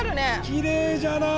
きれいじゃな。